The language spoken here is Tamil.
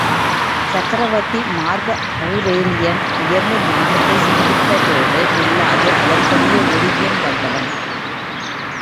சக்ரவர்த்தி மார்க்க ஒளரேலியன், உயர்ந்த ஞானத்தைச் சிந்தித்ததோடு நில்லாது, அதன்படியே ஒழுகியும் வந்தவன்.